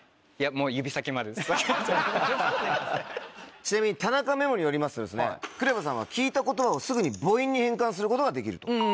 ちなみに田中ＭＥＭＯによりますとＫＲＥＶＡさんは聞いた言葉をすぐに母音に変換することができると。